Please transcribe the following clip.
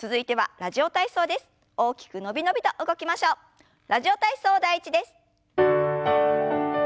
「ラジオ体操第１」です。